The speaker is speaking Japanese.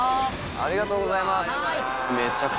ありがとうございます。